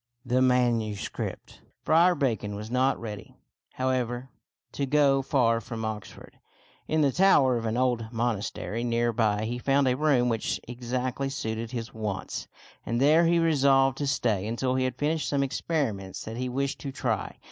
THE MANUSCRIPT Friar Bacon was not ready, however, to go far from Oxford. In the tower of an old monastery 70 THIRTY MORE FAMOUS STORIES near by he found a room which exactly suited his wants, and there he resolved to stay until he had finished some experiments that he wished to try.